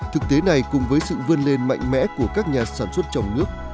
thực tế này cùng với sự vươn lên mạnh mẽ của các nhà sản xuất trong nước